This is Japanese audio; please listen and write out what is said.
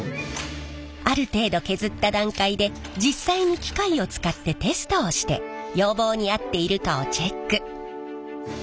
ある程度削った段階で実際に機械を使ってテストをして要望に合っているかをチェック。